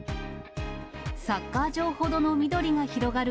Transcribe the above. サッカー場ほどの緑が広がる